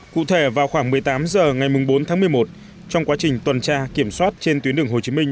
cụ thể vào khoảng một mươi tám h ngày bốn tháng một mươi một trong quá trình tuần tra kiểm soát trên tuyến đường hồ chí minh